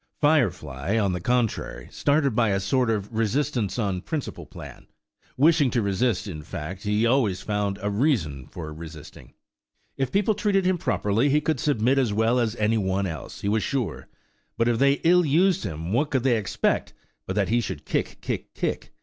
Firefly, on the contrary, started by a sort of resistance on principle plan. Wishing to resist, in fact, he always found a reason for resisting. If people treated him properly he could submit as well as any one else, he was sure; but if they ill used him, what could they expect but that he should kick–kick–kick?